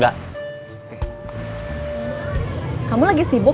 gakku bawa kesme